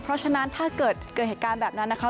เพราะฉะนั้นถ้าเกิดเกิดเหตุการณ์แบบนั้นนะคะ